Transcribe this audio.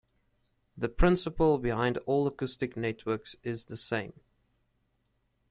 The principle behind all acoustic networks is the same.